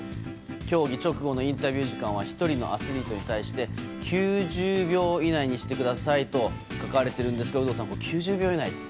競技直後のインタビュー時間１人のアスリートに対して９０秒以内にしてくださいと書かれているんですけど有働さん、９０秒以内って。